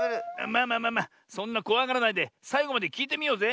まあまあそんなこわがらないでさいごまできいてみようぜ。